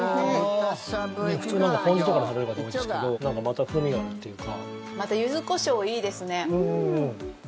普通、ポン酢とかで食べるかと思うんですけどまた風味があるっていうか。